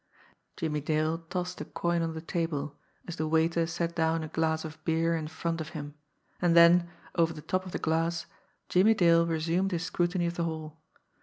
Jimmie Dale tossed a coin on the table, as the waiter set down a glass of beer in front of him and then, over the top of the glass, Jimmie Dale resumed his scrutiny of the hall.